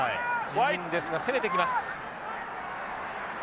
自陣ですが攻めてきます。